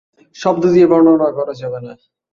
শব্দ দিয়ে বর্ণনা করা যাবে না।